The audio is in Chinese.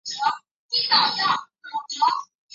渐渐不顺